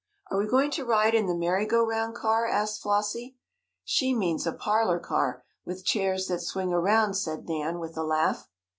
"Are we going to ride in the 'merry go round car'?" asked Flossie. "She means a parlor car, with chairs that swing around," said Nan, with a laugh.